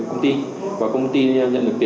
và công ty nhận được tiền